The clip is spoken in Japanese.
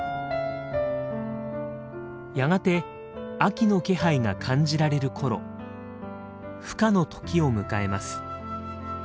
やがて秋の気配が感じられる頃ふ化の時を迎えます。